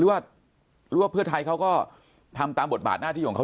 หรือว่าเพื่อไทยเขาก็ทำตามบทบาทหน้าที่ของเขา